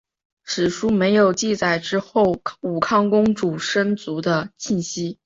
史书没有记载之后武康公主生卒的信息。